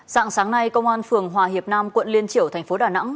sáng sáng nay công an phường hòa hiệp nam quận liên triểu tp đà nẵng